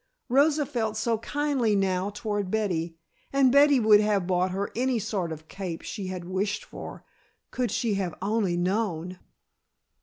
Rosa felt so kindly now toward Betty, and Betty would have bought her any sort of a cape she had wished for, could she have only known!